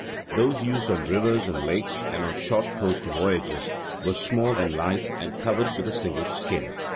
Those used on rivers and lakes and on short coast voyages, were small and light and covered with a single skin.